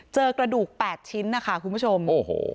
เจอกระดูก๘ชิ้นนะคะคุณผู้ชม